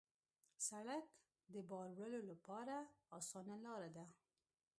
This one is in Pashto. سړک د بار وړلو لپاره اسانه لاره ده.